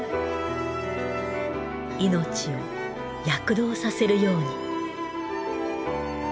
命を躍動させるように。